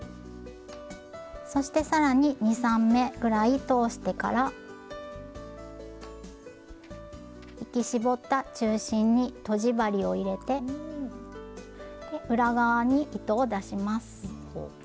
そして更に２３目ぐらい通してから引き絞った中心にとじ針を入れて裏側に糸を出します。